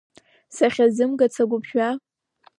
Сахьазымгац агәыԥжәа?!